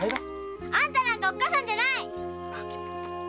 あんたなんかおっかさんじゃない！